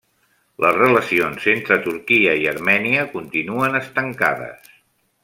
Les relacions entre Turquia i Armènia continuen estancades.